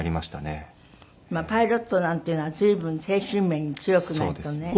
パイロットなんていうのは随分精神面に強くないとね。